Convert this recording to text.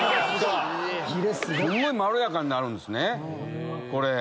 すんごいまろやかになるんですねこれ。